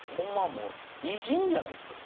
もう、偉人じゃないですか？